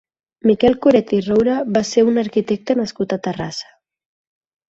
Miquel Curet i Roure va ser un arquitecte nascut a Terrassa.